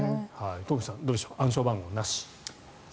東輝さん、どうでしょう暗証番号なし。